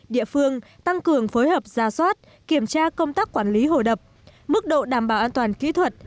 địa phương tăng cường phối hợp ra soát kiểm tra công tác quản lý hồ đập mức độ đảm bảo an toàn kỹ thuật